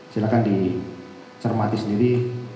silahkan dicermati sendiri